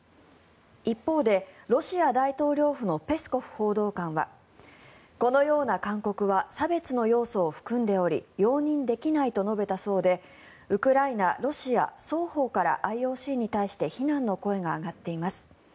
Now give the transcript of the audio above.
一方で、ロシア大統領府のペスコフ報道官はこのような勧告は差別の要素を含んでおり容認できないと述べたそうでウクライナ、ロシア双方からＩＯＣに対して非難の声が上がっています。